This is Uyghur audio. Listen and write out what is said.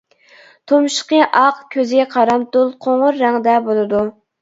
تۇمشۇقى ئاق، كۆزى قارامتۇل قوڭۇر رەڭدە بولىدۇ.